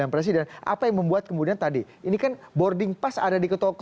usaha jurnal berikutnya